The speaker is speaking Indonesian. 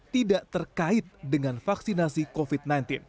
tidak terkait dengan vaksinasi covid sembilan belas